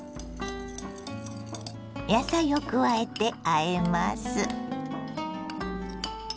野菜を加えてあえます。